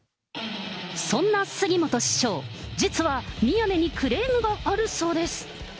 そんな杉本師匠、実は、宮根にクレームがあるそうです。